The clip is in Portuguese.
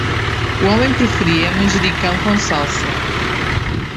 O homem preferia manjericão com salsa.